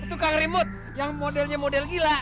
tukang remote yang modelnya model gila